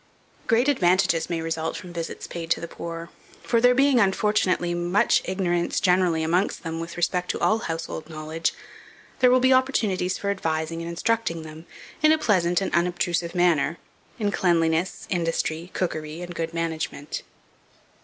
Great advantages may result from visits paid to the poor; for there being, unfortunately, much ignorance, generally, amongst them with respect to all household knowledge, there will be opportunities for advising and instructing them, in a pleasant and unobtrusive manner, in cleanliness, industry, cookery, and good management.